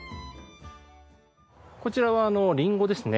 こちらはリンゴですね。